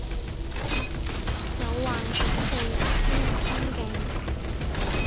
有幻想做人先有沖勁